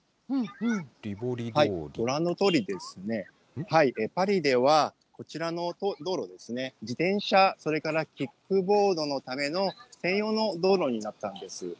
ご覧のとおりですね、パリではこちらの道路ですね、自転車、それからキックボードのための専用の道路になったんです。